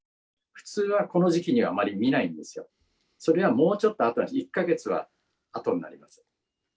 普通はこの時期にあまり見ないんですよ、それはもうちょっとあとなんです。